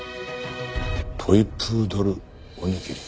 トイプードルおにぎり。